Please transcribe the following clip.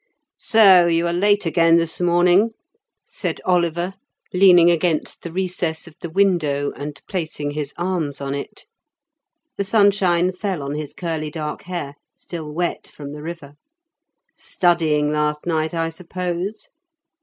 "So you are late again this morning," said Oliver, leaning against the recess of the window, and placing his arms on it. The sunshine fell on his curly dark hair, still wet from the river. "Studying last night, I suppose?"